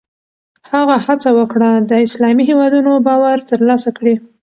هغه هڅه وکړه د اسلامي هېوادونو باور ترلاسه کړي.